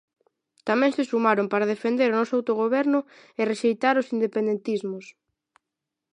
Tamén se sumaron para defender o noso autogoberno e rexeitar os independentismos.